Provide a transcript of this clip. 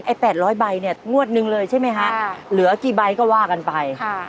ไอ้๘๐๐ใบนี่งวดหนึ่งเลยใช่ไหมฮะหรือกี่ใบก็ว่ากันไปค่ะค่ะค่ะ